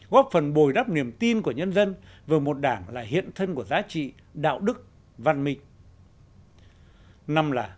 góp phần bồi đắp niềm tin của nhân dân về một đảng là hiện thân của giá trị đạo đức văn minh